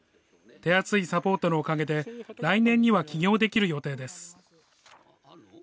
手厚いサポートのおかげで、来年には起業できる予定です。